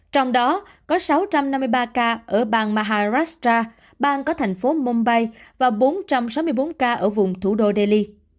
trong đó có sáu trăm năm mươi ba ca ở bang maharastra bang có thành phố mombay và bốn trăm sáu mươi bốn ca ở vùng thủ đô delhi